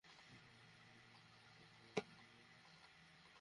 তুমি নিজেকে নিয়ে খুব গর্বিত হতে পারো, মিসেস সেবাস্টিয়ান।